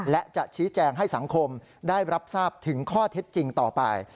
และจะชี้แจงให้สังคมได้รับทราบถึงข้อเท็จจริงต่อไป